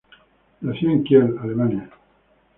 Nació en Kiel, Alemania.